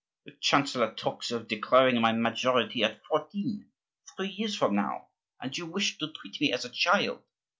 The chancellor talks of declaring my majority at fourteen, three years from now, and you wish to treat me as a child.